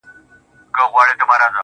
ځوان دعا کوي~